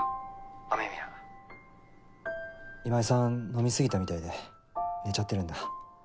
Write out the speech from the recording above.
今井さん飲みすぎたみたいで寝ちゃってるんだ。